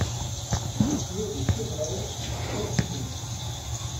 Clos des Chevreuils à Offemont